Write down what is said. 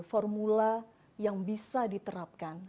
formula yang bisa diterapkan